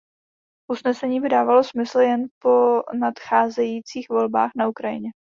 Usnesení by dávalo smysl jen po nadcházejících volbách na Ukrajině.